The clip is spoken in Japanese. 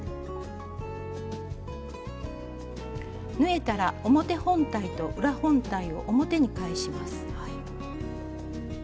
縫えたら表本体と裏本体を表に返します。